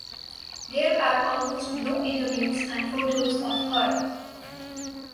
There are almost no interviews and photos of her.